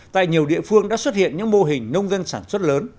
tại nhiều địa phương đã xuất hiện những mô hình nông dân sản xuất lớn